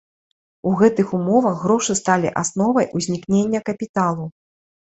У гэтых умовах грошы сталі асновай узнікнення капіталу.